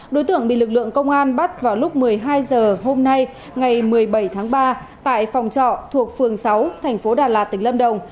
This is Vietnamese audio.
đối tượng bị lực lượng công an bắt vào lúc một mươi hai h hôm nay ngày một mươi bảy tháng ba tại phòng trọ thuộc phường sáu thành phố đà lạt tỉnh lâm đồng